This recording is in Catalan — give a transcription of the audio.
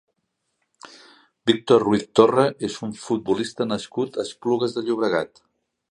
Víctor Ruiz Torre és un futbolista nascut a Esplugues de Llobregat.